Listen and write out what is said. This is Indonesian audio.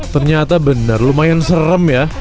ternyata benar lumayan serem ya